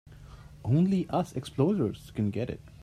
Only us explorers can get it.